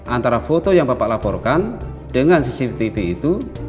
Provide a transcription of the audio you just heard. antara foto yang bapak laporkan dengan cctv itu